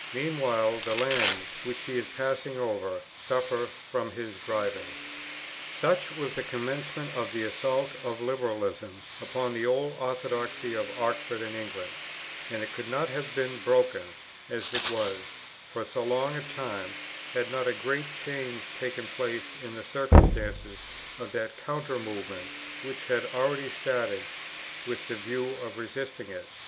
Meanwhile, the lands, which he is passing over, suffer from his driving. Such was the commencement of the assault of Liberalism upon the old orthodoxy of Oxford and England; and it could not have been broken, as it was, for so long a time, had not a great change taken place in the circumstances of that counter movement which had already started with the view of resisting it.